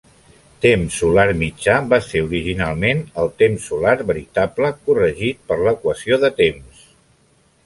Temps solar mitjà va ser originalment el temps solar veritable corregit per l'equació de temps.